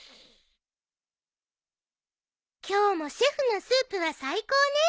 今日もシェフのスープは最高ね。